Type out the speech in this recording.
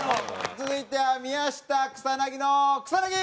続いては宮下草薙の草薙！